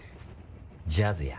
ジャズや。